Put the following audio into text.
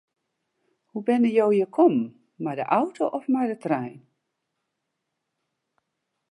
Hoe binne jo hjir kommen, mei de auto of mei de trein?